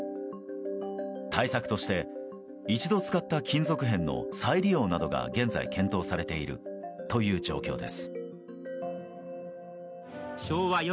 対策として一度使った金属片の再利用などが現在検討されているという状況です。